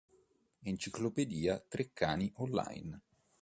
Enciclopedia Treccani Online